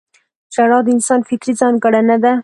• ژړا د انسان فطري ځانګړنه ده.